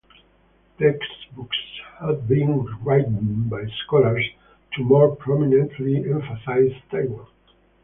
Textbooks have been rewritten by scholars to more prominently emphasize Taiwan.